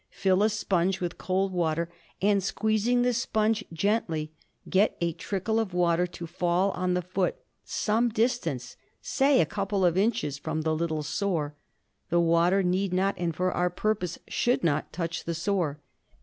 Fill a sponge with cold water and, squeezing the sponge gently, get a trickle of water to fall on the foot some distance — say a couple of inches — from the little sore. The water need not, and for our purpose should not, touch the sore.